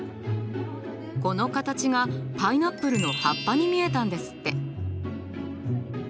この形がパイナップルの葉っぱに見えたんですって。